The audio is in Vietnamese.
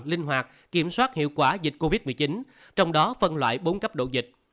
linh hoạt kiểm soát hiệu quả dịch covid một mươi chín trong đó phân loại bốn cấp độ dịch